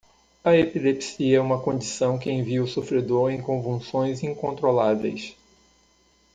A epilepsia é uma condição que envia o sofredor em convulsões incontroláveis.